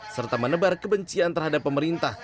serta menebar kebencian terhadap pemerintah